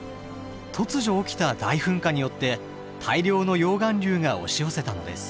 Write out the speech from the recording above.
突如起きた大噴火によって大量の溶岩流が押し寄せたのです。